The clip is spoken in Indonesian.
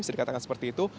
sedikatakan seperti itu